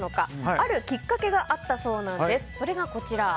あるきっかけがあったそうなんです。